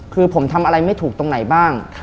คือผมทำอะไรไม่ถูกตรงไหนบ้าง